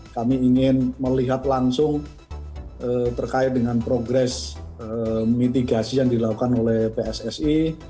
kami ingin melihat langsung terkait dengan progres mitigasi yang dilakukan oleh pssi